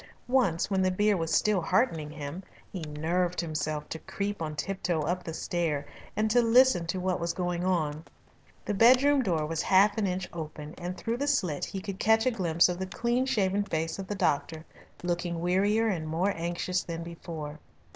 Once, when the beer was still heartening him, he nerved himself to creep on tiptoe up the stair and to listen to what was going on. The bedroom door was half an inch open, and through the slit he could catch a glimpse of the clean shaven face of the doctor, looking wearier and more anxious than before.